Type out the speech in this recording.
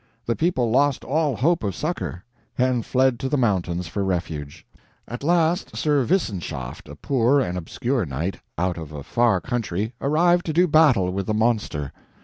The people lost all hope of succor, and fled to the mountains for refuge. At last Sir Wissenschaft, a poor and obscure knight, out of a far country, arrived to do battle with the monster.